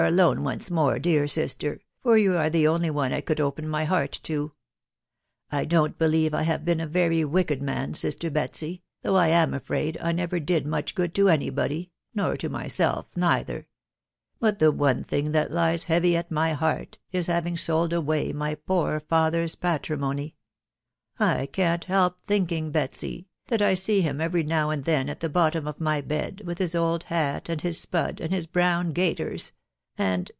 alone cnee more, dear ^sister, tot yon are the only one J could open my heart to. .... I don't believe I have been avery wicked man, 'sister Betsy, though I am afraid I never did nroehj good to any body, nor to myself neither ; but the one thing that flies heavy at my heart, is having sold away my poor ratherV patrimony I can't help thinking, Betsy, 'that I see him every now and then at the bottom of : my bed, with his old hat, and his spud, njnd big brown gaiters .... and